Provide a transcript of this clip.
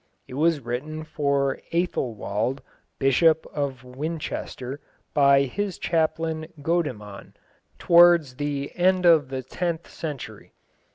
It was written for Æthelwold, Bishop of Winchester, by his chaplain Godemann, towards the end of the tenth century.